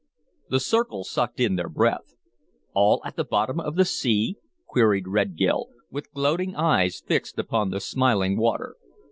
The circle sucked in their breath. "All at the bottom of the sea?" queried Red Gil, with gloating eyes fixed upon the smiling water.